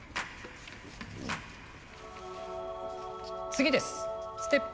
次です。